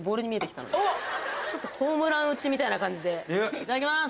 いただきます。